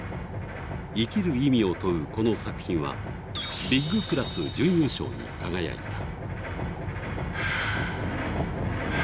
生きる意味を問う、この作品はビッグクラス準優勝に輝いた。